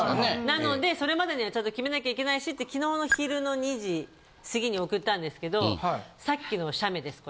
なのでそれまでにはちゃんと決めなきゃいけないしって昨日の昼の２時過ぎに送ったんですけどさっきの写メです。